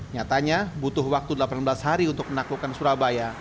nyatanya butuh waktu delapan belas hari untuk menaklukkan surabaya